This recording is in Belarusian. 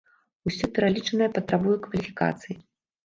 Усё пералічанае патрабуе кваліфікацыі.